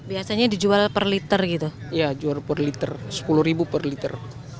iya dijual per liter sepuluh ribu per liter